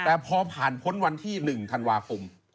แต่พอผ่านพ้นวันที่๑ธันวาคม